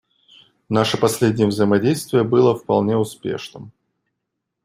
Наше последнее взаимодействие было вполне успешным.